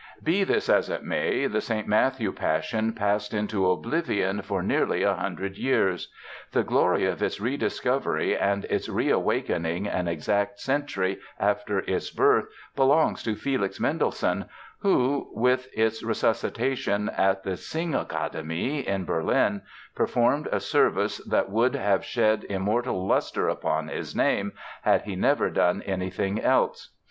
Be this as it may, the St. Matthew Passion passed into oblivion for nearly a hundred years. The glory of its rediscovery and its reawakening an exact century after its birth belongs to Felix Mendelssohn who, with its resuscitation at the Singakademie in Berlin, performed a service that would have shed immortal luster upon his name had he never done anything else.